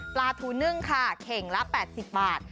ปลาทูนึ่งค่ะเข่งละ๘๐บาท